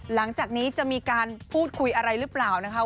หลังจากนี้จะมีการพูดคุยอะไรหรือเปล่านะคะ